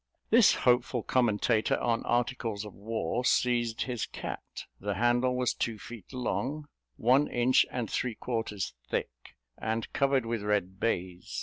This hopeful commentator on articles of war, seized his cat: the handle was two feet long, one inch and three quarters thick, and covered with red baize.